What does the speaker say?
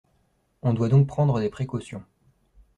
On doit donc prendre des précautions.